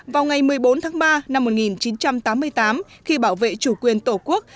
vào ngày một mươi bốn tháng ba năm một nghìn chín trăm tám mươi tám khi bảo vệ chủ quyền tổ quốc